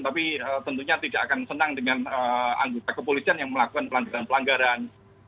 tapi tentunya tidak akan senang dengan anggota kepolisian yang melakukan pelanggaran pelanggaran